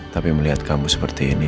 tapi melihat kamu seperti ini